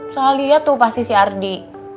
salah liat tuh pasti si ardi